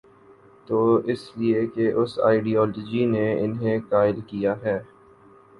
تو اس لیے کہ اس آئیڈیالوجی نے انہیں قائل کیا ہے۔